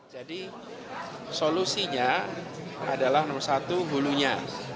jadi solusinya adalah nomor satu hulunya